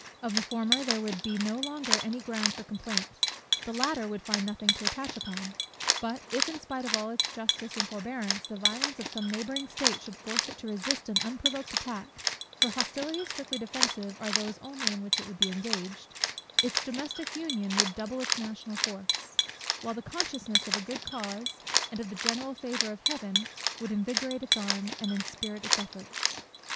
Of the former there would be no longer any ground for complaint; the latter would find nothing to attach upon. But if, in spite of all its justice and forbearance, the violence of some neighbouring state should force it to resist an unprovoked attack, (for hostilities strictly defensive are those only in which it would be engaged) its domestic union would double its national force; while the consciousness of a good cause, and of the general favour of Heaven, would invigorate its arm, and inspirit its efforts.